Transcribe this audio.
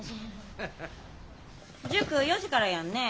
塾４時からやんね？